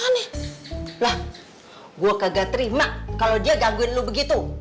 lah gue kaget terima kalau dia gangguin lo begitu